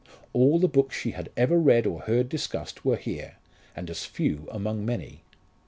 All the books she had ever read or heard discussed were here and as few among many.